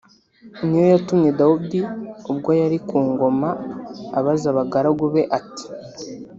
ni yo yatumye Dawidi ubwo yari ku ngoma abaza abagaragu be ati